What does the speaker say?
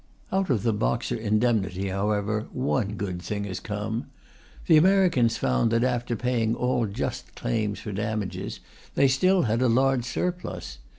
Out of the Boxer indemnity, however, one good thing has come. The Americans found that, after paying all just claims for damages, they still had a large surplus.